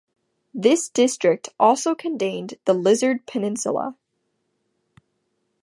The district also contained the Lizard Peninsula.